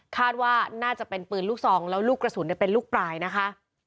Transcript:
คาดว่าน่าจะเป็นปืนลูกซองแล้วลูกกระสุนเป็นลูกปลายนะคะ